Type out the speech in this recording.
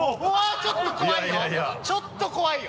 ちょっと怖いよ！